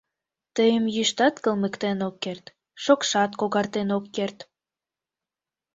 Тыйым йӱштат кылмыктен ок керт, шокшат когартен ок керт.